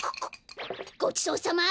ごちそうさま！